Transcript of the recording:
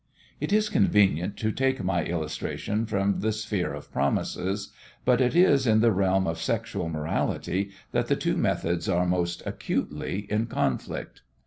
It is convenient to take my illustration from the sphere of promises, but it is in the realm of sexual morality that the two methods are most acutely in conflict.